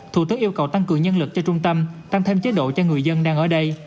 thủ tướng yêu cầu tăng cường nhân lực cho trung tâm tăng thêm chế độ cho người dân đang ở đây